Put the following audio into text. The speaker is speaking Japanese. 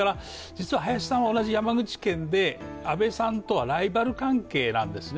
林さんは同じ山口県で安倍さんとライバル関係なんですね。